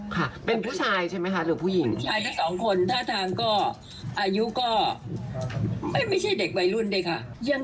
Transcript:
ค่ะเป็นผู้ชายใช่ไหมคะหรือผู้หญิง